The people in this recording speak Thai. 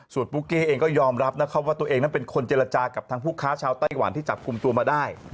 ส่วนปุ๊กเก้เองก็ยอมรับนะครับว่าตัวเองนั้นเป็นคนเจรจากับทางผู้ค้าชาวไต้หวันที่จับกลุ่มตัวมาได้